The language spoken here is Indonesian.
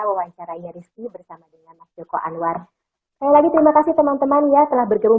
wawancarai rizky bersama dengan mas joko anwar sekali lagi terima kasih teman teman ya telah bergabung